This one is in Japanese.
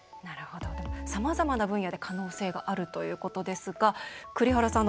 さまざまな分野で可能性があるということですが栗原さん